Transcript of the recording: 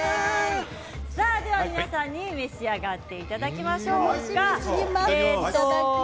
皆さんに召し上がっていただきましょうか。